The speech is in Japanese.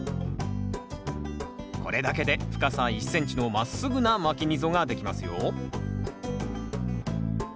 これだけで深さ１ｃｍのまっすぐなまき溝ができますよ